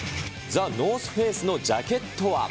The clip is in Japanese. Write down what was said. ザ・ノース・フェイスのジャケットは。